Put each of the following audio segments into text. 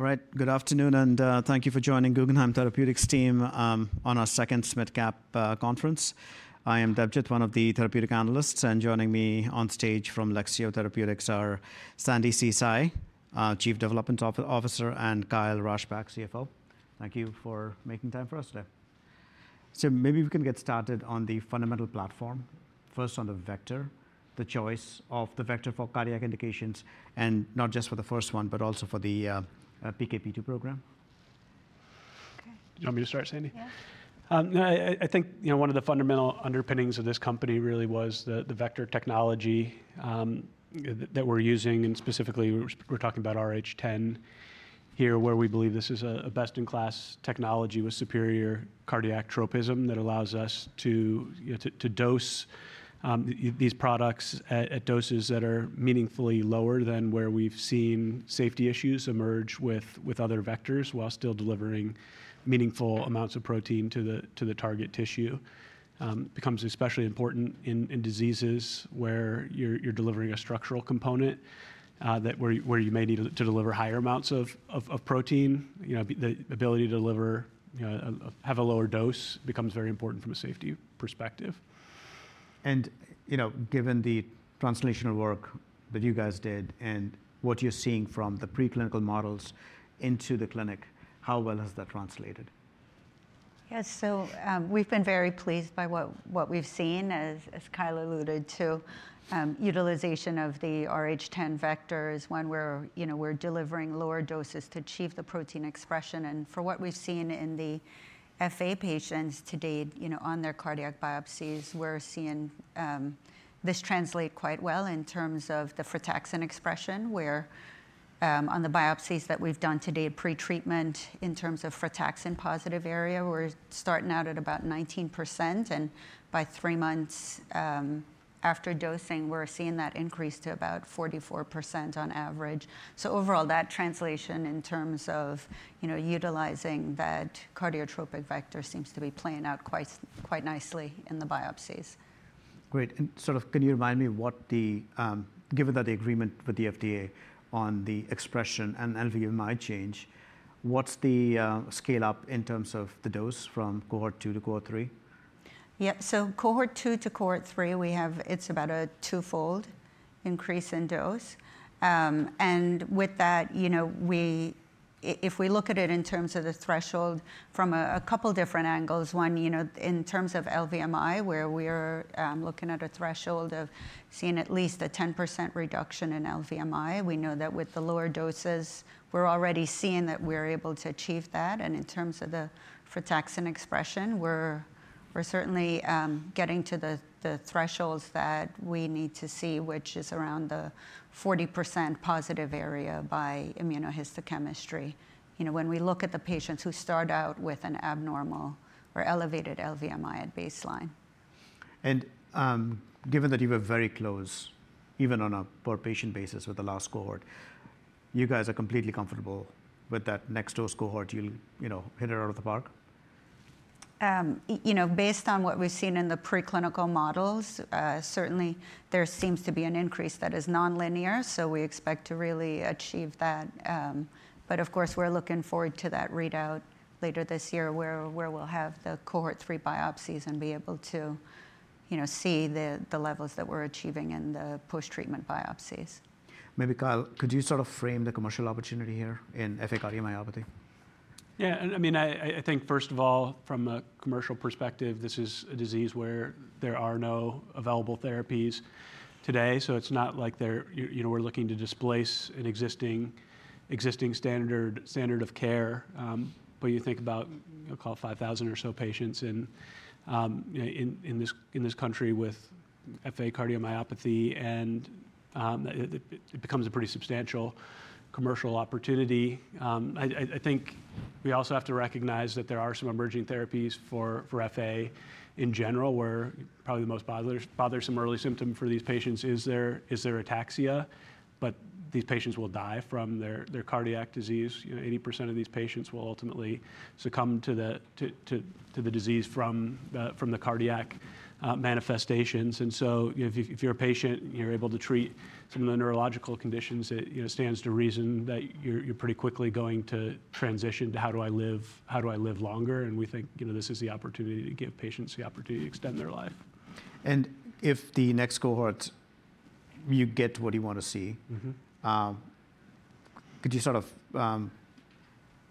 All right, good afternoon, and thank you for joining Guggenheim Therapeutics team on our second SMID Cap conference. I am Devjit, one of the therapeutic analysts, and joining me on stage from Lexeo Therapeutics are Sandi See Tai, Chief Development Officer, and Kyle Rasbach, CFO. Thank you for making time for us today. Maybe we can get started on the fundamental platform. First, on the vector, the choice of the vector for cardiac indications, and not just for the first one, but also for the PKP2 program. Okay. Do you want me to start, Sandi? Yeah. I think one of the fundamental underpinnings of this company really was the vector technology that we're using, and specifically, we're talking about RH10 here, where we believe this is a best-in-class technology with superior cardiac tropism that allows us to dose these products at doses that are meaningfully lower than where we've seen safety issues emerge with other vectors while still delivering meaningful amounts of protein to the target tissue. It becomes especially important in diseases where you're delivering a structural component where you may need to deliver higher amounts of protein. The ability to deliver, have a lower dose becomes very important from a safety perspective. Given the translational work that you guys did and what you're seeing from the preclinical models into the clinic, how well has that translated? Yeah, so we've been very pleased by what we've seen, as Kyle alluded to, utilization of the RH10 vectors when we're delivering lower doses to achieve the protein expression. For what we've seen in the FA patients to date on their cardiac biopsies, we're seeing this translate quite well in terms of the frataxin expression, where on the biopsies that we've done to date pre-treatment in terms of frataxin positive area, we're starting out at about 19%, and by three months after dosing, we're seeing that increase to about 44% on average. Overall, that translation in terms of utilizing that cardiotropic vector seems to be playing out quite nicely in the biopsies. Great. Can you remind me what the, given that the agreement with the FDA on the expression and LVMI change, what's the scale-up in terms of the dose from cohort 2 to cohort 3? Yeah, so cohort 2 to cohort 3, we have it's about a twofold increase in dose. With that, if we look at it in terms of the threshold from a couple different angles, one, in terms of LVMI, where we're looking at a threshold of seeing at least a 10% reduction in LVMI, we know that with the lower doses, we're already seeing that we're able to achieve that. In terms of the frataxin expression, we're certainly getting to the thresholds that we need to see, which is around the 40% positive area by immunohistochemistry when we look at the patients who start out with an abnormal or elevated LVMI at baseline. Given that you have a very close, even on a per-patient basis with the last cohort, you guys are completely comfortable with that next-dose cohort, you'll hit it out of the park? You know, based on what we've seen in the preclinical models, certainly there seems to be an increase that is non-linear, so we expect to really achieve that. Of course, we're looking forward to that readout later this year where we'll have the cohort 3 biopsies and be able to see the levels that we're achieving in the post-treatment biopsies. Maybe, Kyle, could you sort of frame the commercial opportunity here in FA cardiomyopathy? Yeah, I mean, I think, first of all, from a commercial perspective, this is a disease where there are no available therapies today. It is not like we are looking to displace an existing standard of care. You think about, I will call it 5,000 or so patients in this country with FA cardiomyopathy, and it becomes a pretty substantial commercial opportunity. I think we also have to recognize that there are some emerging therapies for FA in general, where probably the most bothersome early symptom for these patients is their ataxia, but these patients will die from their cardiac disease. 80% of these patients will ultimately succumb to the disease from the cardiac manifestations. If you are a patient, you are able to treat some of the neurological conditions, it stands to reason that you are pretty quickly going to transition to, how do I live, how do I live longer? We think this is the opportunity to give patients the opportunity to extend their life. If the next cohort, you get what you want to see, could you sort of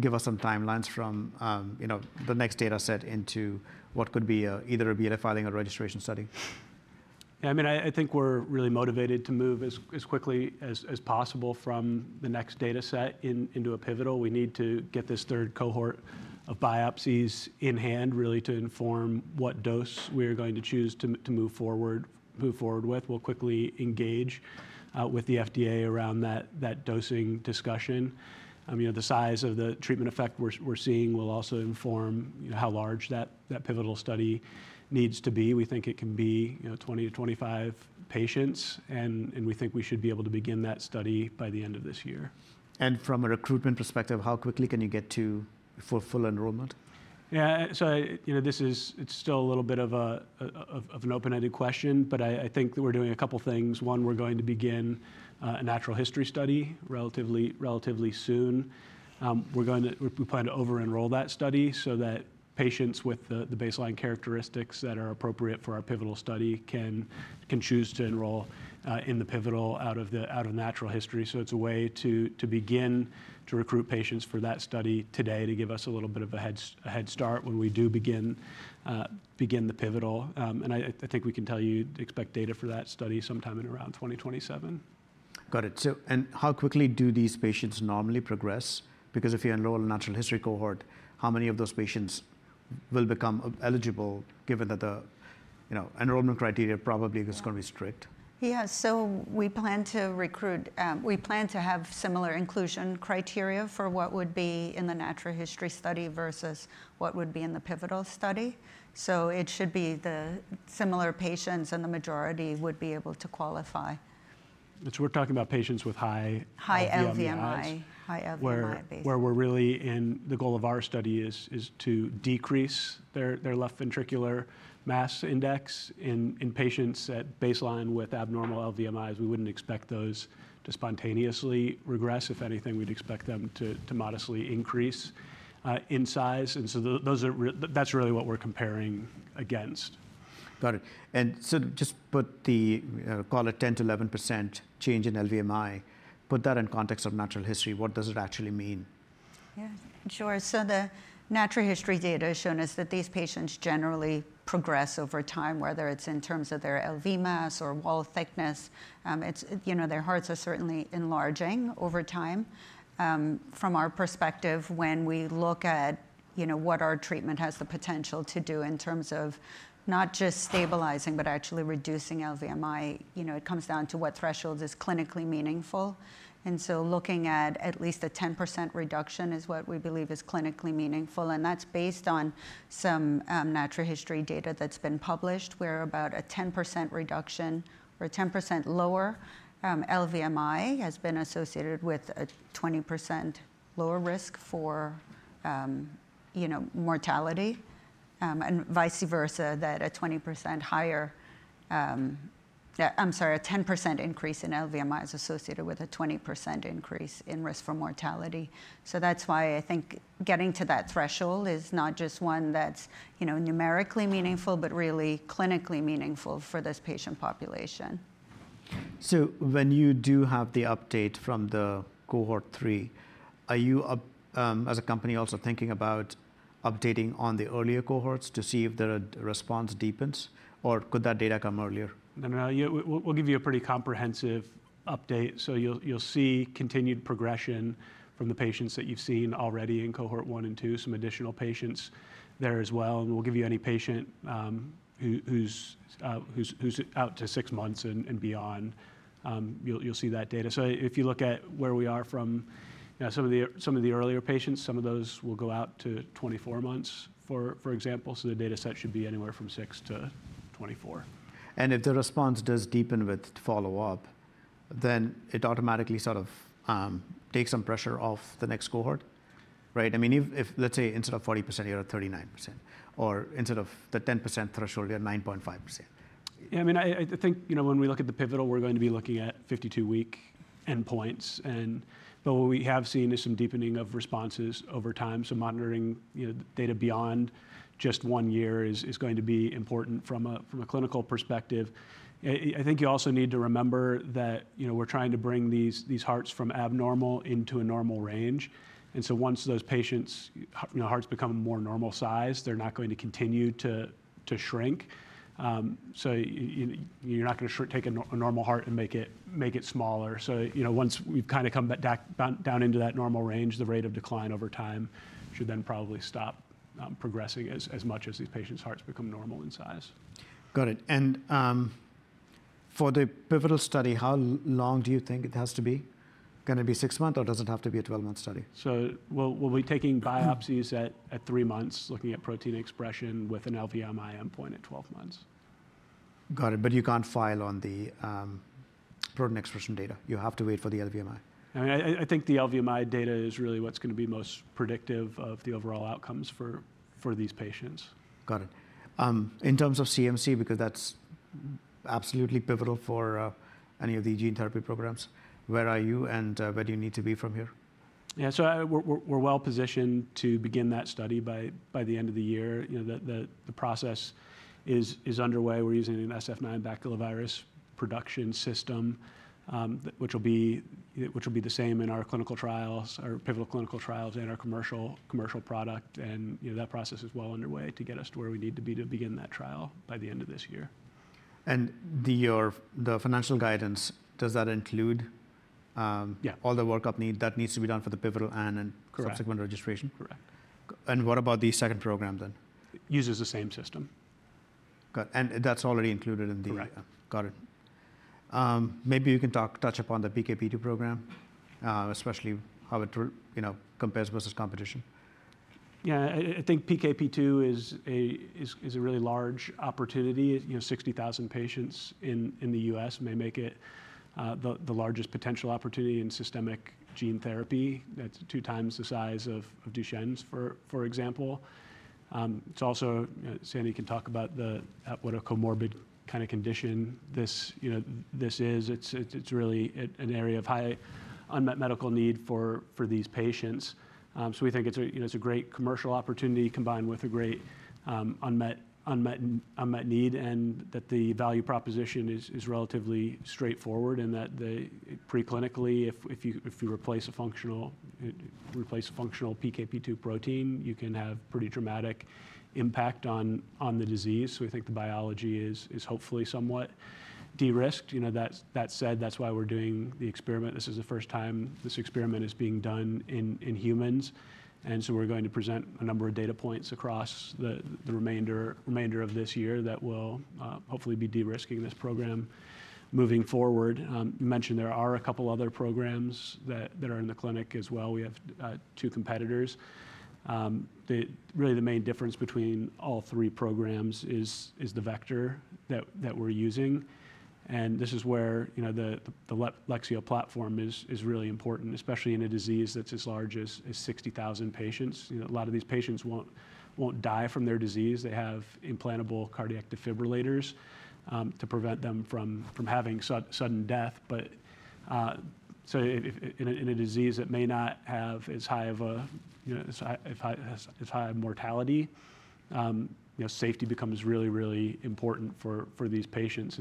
give us some timelines from the next data set into what could be either a unit filing or registration study? Yeah, I mean, I think we're really motivated to move as quickly as possible from the next data set into a pivotal. We need to get this third cohort of biopsies in hand, really, to inform what dose we are going to choose to move forward with. We'll quickly engage with the FDA around that dosing discussion. The size of the treatment effect we're seeing will also inform how large that pivotal study needs to be. We think it can be 2,025 patients, and we think we should be able to begin that study by the end of this year. From a recruitment perspective, how quickly can you get to full enrollment? Yeah, this is still a little bit of an open-ended question, but I think that we're doing a couple of things. One, we're going to begin a natural history study relatively soon. We're going to plan to over-enroll that study so that patients with the baseline characteristics that are appropriate for our pivotal study can choose to enroll in the pivotal out of natural history. It is a way to begin to recruit patients for that study today to give us a little bit of a head start when we do begin the pivotal. I think we can tell you expect data for that study sometime in around 2027. Got it. How quickly do these patients normally progress? Because if you enroll a natural history cohort, how many of those patients will become eligible, given that the enrollment criteria probably is going to be strict? Yeah, we plan to recruit, we plan to have similar inclusion criteria for what would be in the natural history study versus what would be in the pivotal study. It should be the similar patients, and the majority would be able to qualify. We're talking about patients with high. High LVMI. High LVMI base. Where we're really, and the goal of our study is to decrease their left ventricular mass index in patients at baseline with abnormal LVMIs. We wouldn't expect those to spontaneously regress. If anything, we'd expect them to modestly increase in size. That's really what we're comparing against. Got it. Just put the, call it 10-11% change in LVMI, put that in context of natural history. What does it actually mean? Yeah, sure. The natural history data has shown us that these patients generally progress over time, whether it's in terms of their LV mass or wall thickness. Their hearts are certainly enlarging over time. From our perspective, when we look at what our treatment has the potential to do in terms of not just stabilizing, but actually reducing LVMI, it comes down to what threshold is clinically meaningful. Looking at at least a 10% reduction is what we believe is clinically meaningful. That is based on some natural history data that has been published, where about a 10% reduction or 10% lower LVMI has been associated with a 20% lower risk for mortality. Vice versa, a 10% increase in LVMI is associated with a 20% increase in risk for mortality. I think getting to that threshold is not just one that's numerically meaningful, but really clinically meaningful for this patient population. When you do have the update from the cohort 3, are you, as a company, also thinking about updating on the earlier cohorts to see if the response deepens, or could that data come earlier? No, no, no. We'll give you a pretty comprehensive update. You'll see continued progression from the patients that you've seen already in cohort 1 and 2, some additional patients there as well. We'll give you any patient who's out to six months and beyond, you'll see that data. If you look at where we are from some of the earlier patients, some of those will go out to 24 months, for example. The data set should be anywhere from 6 to 24. If the response does deepen with follow-up, then it automatically sort of takes some pressure off the next cohort, right? I mean, if, let's say, instead of 40%, you're at 39%, or instead of the 10% threshold, you're at 9.5%. Yeah, I mean, I think when we look at the pivotal, we're going to be looking at 52-week endpoints. What we have seen is some deepening of responses over time. Monitoring data beyond just one year is going to be important from a clinical perspective. I think you also need to remember that we're trying to bring these hearts from abnormal into a normal range. Once those patients' hearts become a more normal size, they're not going to continue to shrink. You're not going to take a normal heart and make it smaller. Once we've kind of come down into that normal range, the rate of decline over time should then probably stop progressing as much as these patients' hearts become normal in size. Got it. For the pivotal study, how long do you think it has to be? Going to be six months, or does it have to be a 12-month study? We'll be taking biopsies at three months, looking at protein expression with an LVMI endpoint at 12 months. Got it. You can't file on the protein expression data. You have to wait for the LVMI. I mean, I think the LVMI data is really what's going to be most predictive of the overall outcomes for these patients. Got it. In terms of CMC, because that's absolutely pivotal for any of the gene therapy programs, where are you and where do you need to be from here? Yeah, so we're well positioned to begin that study by the end of the year. The process is underway. We're using an Sf9 baculovirus production system, which will be the same in our clinical trials, our pivotal clinical trials, and our commercial product. That process is well underway to get us to where we need to be to begin that trial by the end of this year. Does the financial guidance include all the work that needs to be done for the pivotal and subsequent registration? Correct. What about the second program then? Uses the same system. Got it. That's already included in the. Right. Got it. Maybe you can touch upon the PKP2 program, especially how it compares versus competition. Yeah, I think PKP2 is a really large opportunity, 60,000 patients in the US may make it the largest potential opportunity in systemic gene therapy. That's two times the size of Duchenne, for example. It's also, Sandi can talk about what a comorbid kind of condition this is. It's really an area of high unmet medical need for these patients. We think it's a great commercial opportunity combined with a great unmet need and that the value proposition is relatively straightforward and that preclinically, if you replace a functional PKP2 protein, you can have pretty dramatic impact on the disease. We think the biology is hopefully somewhat de-risked. That said, that's why we're doing the experiment. This is the first time this experiment is being done in humans. We are going to present a number of data points across the remainder of this year that will hopefully be de-risking this program moving forward. You mentioned there are a couple of other programs that are in the clinic as well. We have two competitors. Really, the main difference between all three programs is the vector that we are using. This is where the Lexeo platform is really important, especially in a disease that is as large as 60,000 patients. A lot of these patients will not die from their disease. They have implantable cardiac defibrillators to prevent them from having sudden death. In a disease that may not have as high of a mortality, safety becomes really, really important for these patients.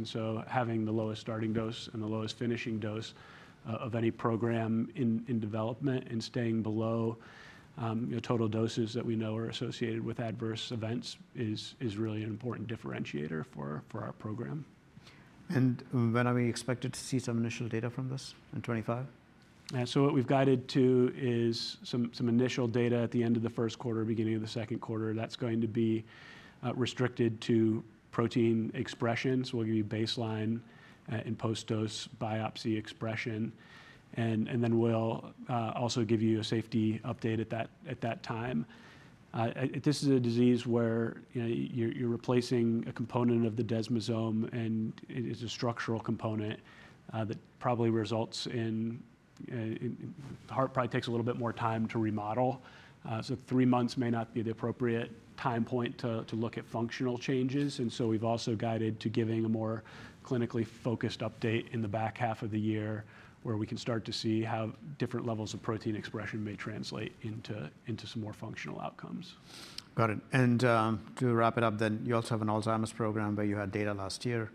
Having the lowest starting dose and the lowest finishing dose of any program in development and staying below total doses that we know are associated with adverse events is really an important differentiator for our program. When are we expected to see some initial data from this in 2025? What we've guided to is some initial data at the end of the Q1, beginning of the Q2. That is going to be restricted to protein expression. We will give you baseline and post-dose biopsy expression. We will also give you a safety update at that time. This is a disease where you are replacing a component of the desmosome, and it is a structural component that probably results in the heart probably taking a little bit more time to remodel. Three months may not be the appropriate time point to look at functional changes. We have also guided to giving a more clinically focused update in the back half of the year where we can start to see how different levels of protein expression may translate into some more functional outcomes. Got it. To wrap it up then, you also have an Alzheimer's program where you had data last year,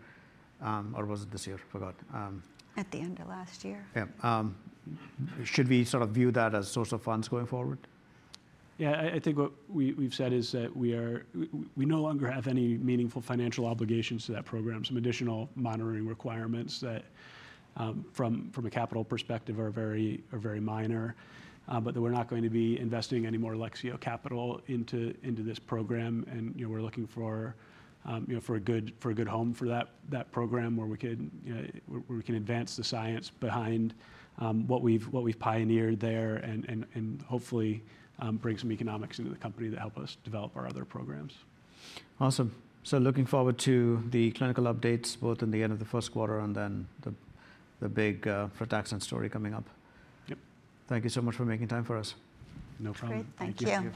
or was it this year? Forgot. At the end of last year. Yeah. Should we sort of view that as source of funds going forward? Yeah, I think what we've said is that we no longer have any meaningful financial obligations to that program. Some additional monitoring requirements that from a capital perspective are very minor, but that we're not going to be investing any more Lexeo capital into this program. We are looking for a good home for that program where we can advance the science behind what we've pioneered there and hopefully bring some economics into the company that help us develop our other programs. Awesome. Looking forward to the clinical updates both in the end of the Q1 and then the big frataxin story coming up. Yep. Thank you so much for making time for us. No problem. Great. Thank you.